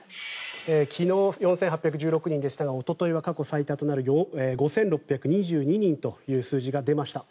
昨日、４８１６人でしたがおとといは過去最多となる５６２２人という数字が出ました。